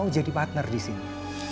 mau jadi partner di sini